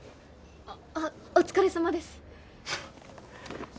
あっあっお疲れさまです。